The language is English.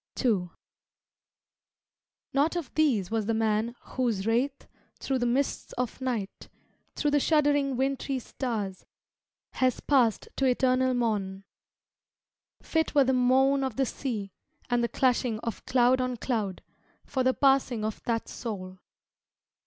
II Not of these was the man Whose wraith, through the mists of night, Through the shuddering wintry stars, Has passed to eternal morn. Fit were the moan of the sea And the clashing of cloud on cloud For the passing of that soul!